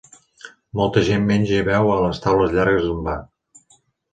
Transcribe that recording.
Molta gent menja i beu a les taules llargues d'un bar.